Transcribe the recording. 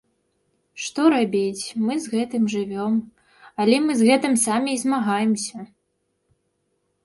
Што рабіць, мы з гэтым жывём, але мы з гэтым самі і змагаемся.